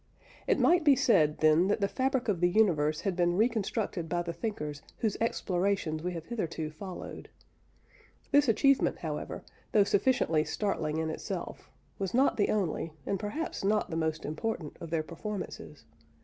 It might be said, then, that the fabric of the universe had been reconstructed by the thinkers whose explorations we have hitherto followed. This achievement, however, though sufficiently startling in itself, was not the only, and perhaps not the most important, of their performances.